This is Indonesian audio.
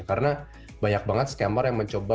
karena banyak banget scammer yang mencoba